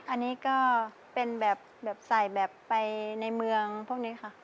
อันนี้ก็เป็นแบบใส่แบบไปในเมืองพวกนี้ค่ะ